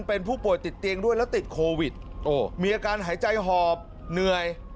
เป็นผู้ป่วยติดเตียงด้วยแล้วติดโควิดมีอาการหายใจหอบเหนื่อย